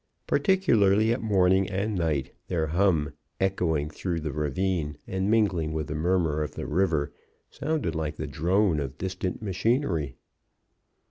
Particularly at morning and night their hum, echoing through the ravine and mingling with the murmur of the river, sounded like the drone of distant machinery.